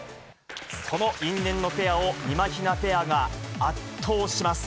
その因縁のペアを、みまひなペアが圧倒します。